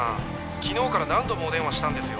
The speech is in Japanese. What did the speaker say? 昨日から何度もお電話したんですよ。